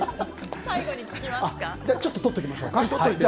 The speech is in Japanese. じゃあちょっととっておきましょうか。